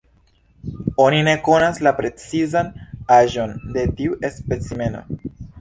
Oni ne konas la precizan aĝon de tiu specimeno.